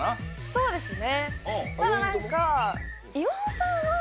そうですね。